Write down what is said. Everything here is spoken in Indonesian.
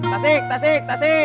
tasik tasik tasik